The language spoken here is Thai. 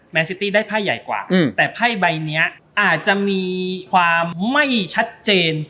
ซิตี้ได้ไพ่ใหญ่กว่าแต่ไพ่ใบนี้อาจจะมีความไม่ชัดเจน